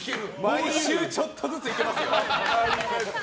毎週ちょっとずついけますよ。